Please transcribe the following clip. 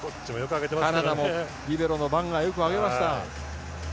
カナダもリベロのバンがよく上げました。